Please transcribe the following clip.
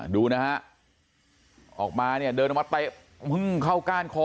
ดูนะฮะออกมาเนี่ยเดินออกมาเตะเพิ่งเข้าก้านคอ